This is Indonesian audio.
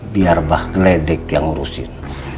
biar bah geledek yang rusin